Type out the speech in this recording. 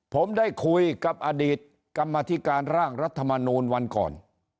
ผมได้คุยกับอดีตกรรมธิการร่างรัฐมนูลวันก่อน